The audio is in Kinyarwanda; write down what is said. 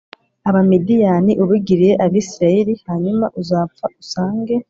Abamidiyani ubigiriye Abisirayeli hanyuma uzapfa usange